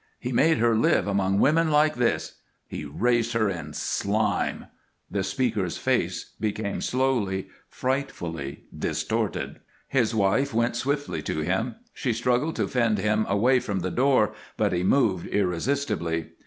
He made her live among women like these. He raised her in slime " The speaker's face became slowly, frightfully distorted. His wife went swiftly to him; she struggled to fend him away from the door, but he moved irresistibly.